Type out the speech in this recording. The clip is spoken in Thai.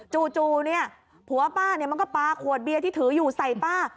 จู่เนี่ยผัวป้าเนี่ยมันก็ปลาขวดเบียร์ที่ถืออยู่ใส่ป้า